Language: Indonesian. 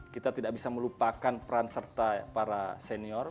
kita tidak bisa melupakan peran serta para senior